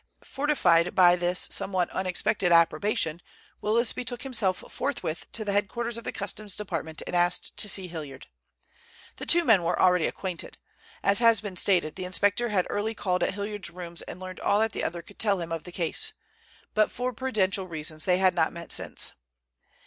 Fortified by this somewhat unexpected approbation, Willis betook himself forthwith to the headquarters of the Customs Department and asked to see Hilliard. The two men were already acquainted. As has been stated, the inspector had early called at Hilliard's rooms and learned all that the other could tell him of the case. But for prudential reasons they had not met since.